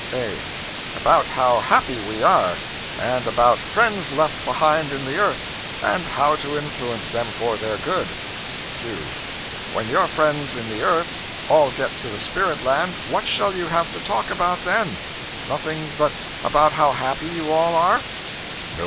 A. About how happy we are; and about friends left behind in the earth, and how to influence them for their good. Q. When your friends in the earth all get to the spirit land, what shall you have to talk about then? nothing but about how happy you all are?